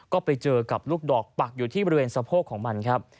ก็ไปเจอกับลูกดอกปักอยู่ที่บริเวณสะโพกของมันครับ